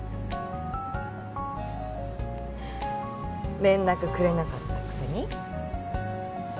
連絡くれなかったくせに